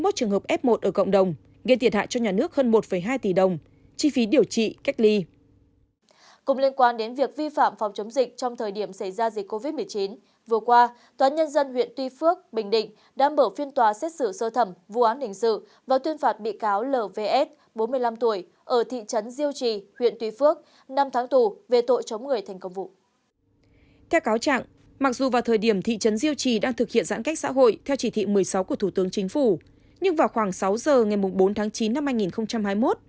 theo cáo chẳng mặc dù vào thời điểm thị trấn diêu trì đang thực hiện giãn cách xã hội theo chỉ thị một mươi sáu của thủ tướng chính phủ nhưng vào khoảng sáu giờ ngày bốn tháng chín năm hai nghìn hai mươi một